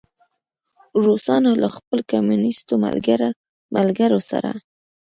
روسانو له خپلو کمونیسټو ملګرو سره.